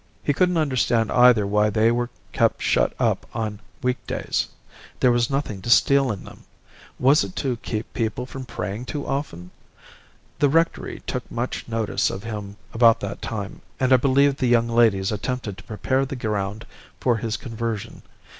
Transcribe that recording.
He couldn't understand either why they were kept shut up on week days. There was nothing to steal in them. Was it to keep people from praying too often? The rectory took much notice of him about that time, and I believe the young ladies attempted to prepare the ground for his conversion.